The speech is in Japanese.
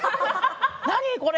何これ！？